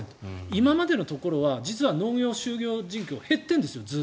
今までのところは実は農業就業人口ずっと減っているんですよ。